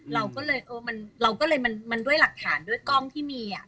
เราก็เลยเออมันเราก็เลยมันด้วยหลักฐานด้วยกล้องที่มีอ่ะ